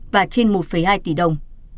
và trên một hai tỷ đồng